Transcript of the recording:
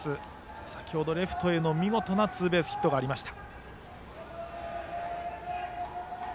先ほどレフトへの見事なツーベースヒットがありました。